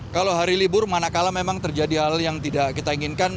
kalau hari libur mana kala memang terjadi hal yang tidak kita inginkan